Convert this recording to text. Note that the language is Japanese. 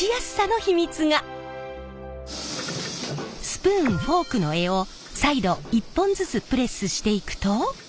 スプーンフォークの柄を再度一本ずつプレスしていくと。